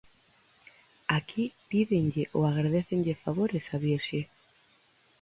Aquí pídenlle ou agradécenlle favores á virxe.